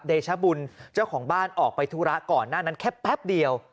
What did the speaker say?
เดชบุญเจ้าของบ้านออกไปธุระก่อนหน้านั้นแค่แป๊บเดียว